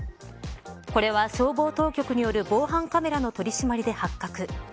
これは消防当局による防犯カメラの取り締まりで発覚。